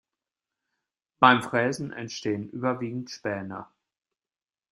Beim Fräsen entstehen überwiegend Späne.